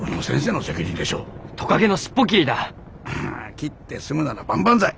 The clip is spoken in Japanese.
切って済むなら万々歳。